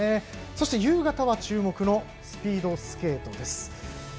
そして夕方は、注目のスピードスケートです。